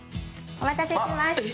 お待たせしました。